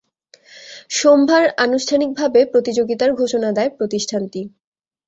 সোমবার আনুষ্ঠানিক ভাবে প্রতিযোগিতার ঘোষণা দেয় প্রতিষ্ঠানটি।